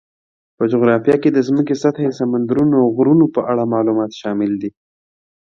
په جغرافیه کې د ځمکې سطحې، سمندرونو، او غرونو په اړه معلومات شامل دي.